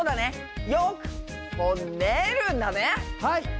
はい。